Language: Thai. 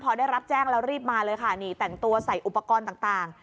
พอได้รับแจ้งแล้วรีบมาเลยค่ะนี่แต่งตัวใส่อุปกรณ์ต่าง